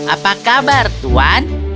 apa kabar tuan